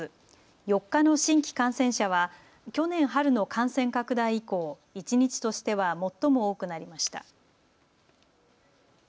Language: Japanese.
４日の新規感染者は去年春の感染拡大以降、一日としては最も多くなりました。